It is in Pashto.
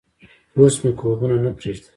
پوست میکروبونه نه پرېږدي.